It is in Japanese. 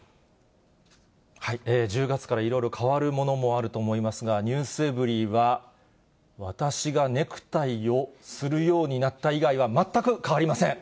１０月からいろいろ変わるものもあると思いますが、ｎｅｗｓｅｖｅｒｙ．は、私がネクタイをするようになった以外は、全く変わりません。